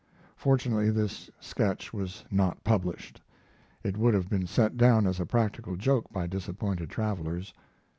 Fortunately this sketch was not published. It would have been set down as a practical joke by disappointed travelers.